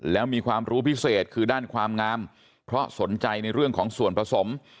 แล้วมีความรู้พิเศษคือด้านความงามเพราะสนใจในเรื่องของส่วนผสม